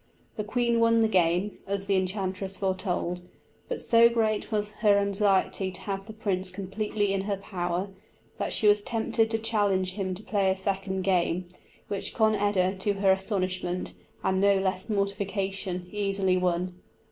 The queen won the game, as the enchantress foretold, but so great was her anxiety to have the prince completely in her power, that she was tempted to challenge him to play a second game, which Conn eda, to her astonishment, and no less mortification, easily won.